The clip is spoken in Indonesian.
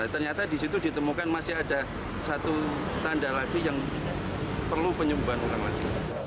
ternyata di situ ditemukan masih ada satu tanda lagi yang perlu penyembuhan ulang lagi